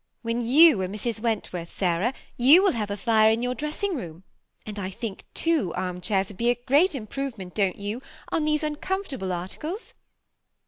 When you are Mrs. Wentworth, Sarah, you will have a fire in your dressing room ; and I think two arm chairs would be a great improvement, don't you, on these uncomfortable articles